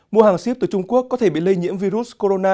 mua hàng ship từ trung quốc có thể bị lây nhiễm virus corona